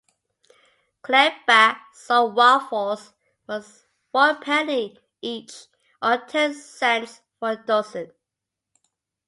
Kliembach sold waffles for a penny each or ten cents for a dozen.